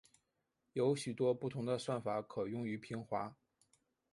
有许多不同的算法可用于平滑。